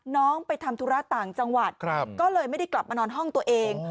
น้องไปทำธุระต่างจังหวัดก็เลยไม่ได้กลับมานอนห้องตัวเอง